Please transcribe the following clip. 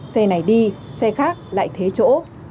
xe này đi xe khác lại thế chỗ